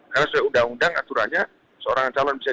karena setelah undang undang aturannya seorang yang mendekat akan mendekat